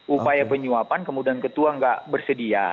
upaya penyuapan kemudian ketua nggak bersedia